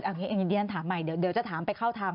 อันนี้อันนี้เดี๋ยวถามใหม่เดี๋ยวจะถามไปเข้าทาง